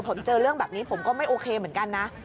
ผมเจอเรื่องแบบนี้ผมก็ไม่โอเคเหมือนกันนะ